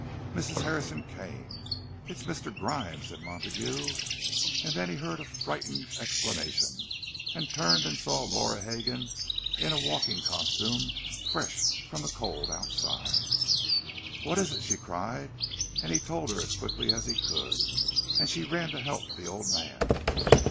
Mrs. Harrison came. "It's Mr. Grimes," said Montague; and then he heard a frightened exclamation, and turned and saw Laura Hegan, in a walking costume, fresh from the cold outside. "What is it?" she cried. And he told her, as quickly as he could, and she ran to help the old man.